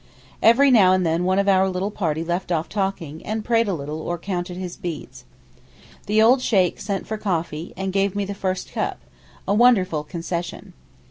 Every now and then one of our party left off talking, and prayed a little or counted his beads. The old Sheykh sent for coffee, and gave me the first cup—a wonderful concession.